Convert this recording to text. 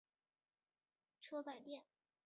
车仔电。